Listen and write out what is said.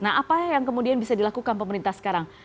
nah apa yang kemudian bisa dilakukan pemerintah sekarang